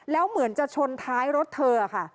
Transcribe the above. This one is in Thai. แล้วเหมือนจะชนท้ายรถเธอค่ะ